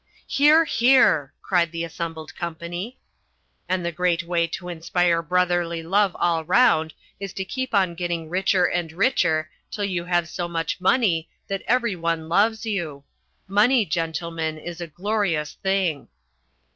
"Hear, hear!" cried the assembled company. "And the great way to inspire brotherly love all round is to keep on getting richer and richer till you have so much money that every one loves you. Money, gentlemen, is a glorious thing."